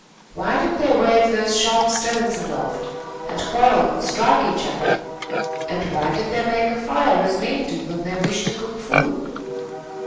Why did they wave those sharp stones aloft, and quarrel and strike each other? And why did they make a fire as men do when they wish to cook food?